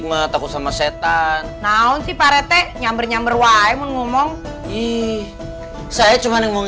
nggak takut sama setan naun sih parete nyamber nyamber wae mengomong ih saya cuman